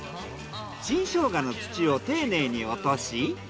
新ショウガの土を丁寧に落とし。